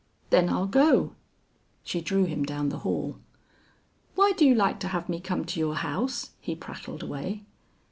"Then I'll go." She drew him down the hall. "Why do you like to have me come to your house?" he prattled away.